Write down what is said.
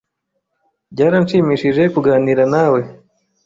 Byaranshimishije kuganira nawe.